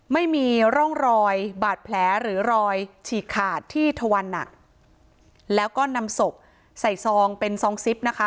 ไม่มีร่องรอยบาดแผลหรือรอยฉีกขาดที่ทวันหนักแล้วก็นำศพใส่ซองเป็นซองซิปนะคะ